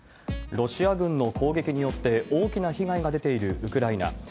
ロシア軍の攻撃によって、大きな被害が出ているウクライナ。